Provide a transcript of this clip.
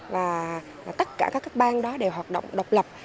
và tất cả các bang đó đều hoạt động độc lập